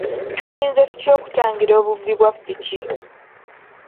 Tuyinza tutya okutangira obubbi bwa ppiki?